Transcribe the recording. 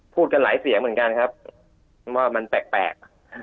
พูดกันหลายเสียงเหมือนกันครับว่ามันแปลก